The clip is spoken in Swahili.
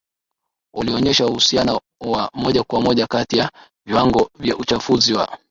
ulionyesha uhusiano wa moja kwa moja kati ya viwango vya uchafuzi wa